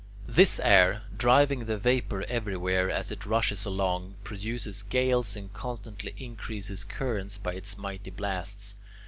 This air, driving the vapour everywhere as it rushes along, produces gales and constantly increasing currents by its mighty blasts.